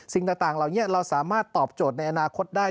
สิ่งต่างเหล่านี้เราสามารถตอบโจทย์ในอนาคตได้